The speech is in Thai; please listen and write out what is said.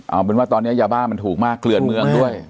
เอาเป็นว่าตอนนี้ยาบ้ามันถูกมากเกลือนเมืองด้วย